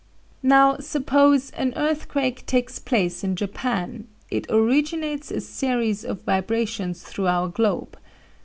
"Now, suppose an earthquake takes place in Japan, it originates a series of vibrations through our globe.